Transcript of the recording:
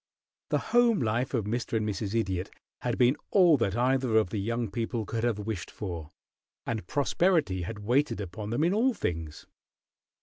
The home life of "Mr. and Mrs. Idiot" had been all that either of the young people could have wished for, and prosperity had waited upon them in all things.